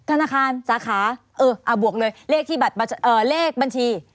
ธนาคารสาขาเออเอาบวกเลยเลขที่แบบเลขบัญชี